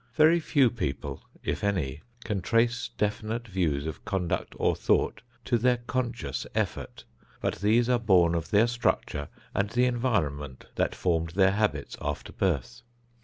Very few people, if any, can trace definite views of conduct or thought to their conscious effort, but these are born of their structure and the environment that formed their habits after birth.